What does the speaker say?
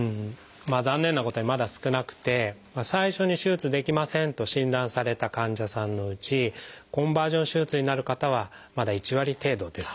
残念なことにまだ少なくて最初に手術できませんと診断された患者さんのうちコンバージョン手術になる方はまだ１割程度です。